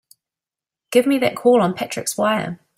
Give me that call on Patrick's wire!